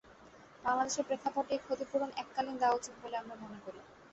বাংলাদেশের প্রেক্ষাপটে এই ক্ষতিপূরণ এককালীন দেওয়া উচিত বলে আমরা মনে করি।